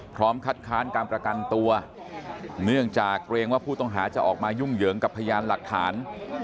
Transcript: พร้อมคัดค้านการประกันตัวเนื่องจากเกรงว่าผู้ต้องหาจะออกมายุ่งเหยิงกับพยานหลักฐาน